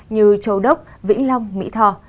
như châu đốc vĩnh long mỹ thò